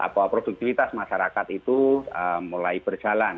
bahwa produktivitas masyarakat itu mulai berjalan